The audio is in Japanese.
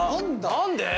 何で？